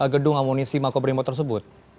gedung amunisi makobrimo tersebut